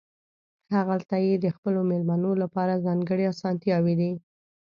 هغلته یې د خپلو مېلمنو لپاره ځانګړې اسانتیاوې دي.